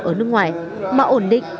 ở nước ngoài mà ổn định